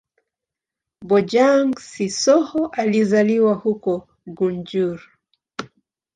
Bojang-Sissoho alizaliwa huko Gunjur.